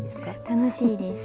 楽しいです。